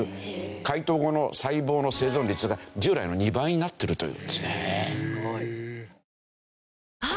解凍後の細胞の生存率が従来の２倍になってるという。